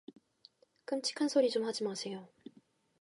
끔찍한 소리 좀 하지 마세요.